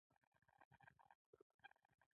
د غلو دانو ذخیره کول مهم دي.